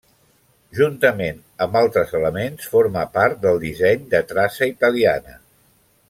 Juntament amb altres elements, forma part del disseny de traça italiana.